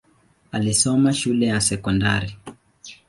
Alisoma shule ya sekondari.